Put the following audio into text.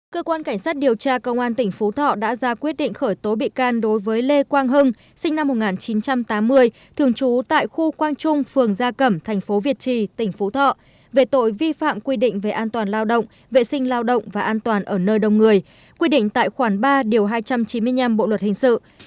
cơ quan cảnh sát điều tra công an tỉnh phú thọ đã ra quyết định khởi tố bị can đối với lê quang hưng sinh năm một nghìn chín trăm tám mươi thường trú tại khu quang trung phường gia cẩm thành phố việt trì tỉnh phú thọ về tội vi phạm quy định về an toàn lao động vệ sinh lao động và an toàn ở nơi đông người quy định tại khoản ba điều hai trăm chín mươi năm bộ luật hình sự